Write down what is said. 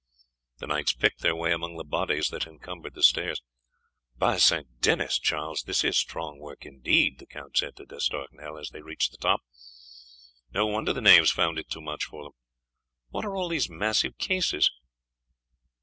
The knights picked their way among the bodies that encumbered the stairs. "By Saint Denis, Charles, this is a strong work indeed!" the count said to D'Estournel, as they reached the top; "no wonder the knaves found it too much for them. What are all these massive cases?"